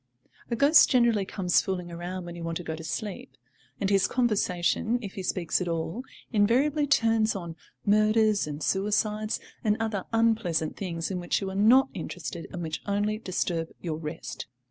A ghost generally comes fooling around when you want to go to sleep, and his conversation, if he speaks at all, invariably turns on murders and suicides and other unpleasant things in which you are not interested, and which only disturb your rest.